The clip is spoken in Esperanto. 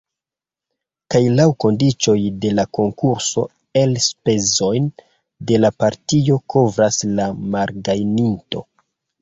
Kaj laŭ kondiĉoj de la konkurso elspezojn de la partio kovras la malgajninto.